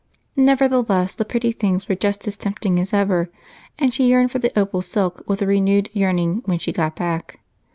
Nevertheless the pretty things were just as tempting as ever, and she yearned for the opal silk with a renewed yearning when she got back.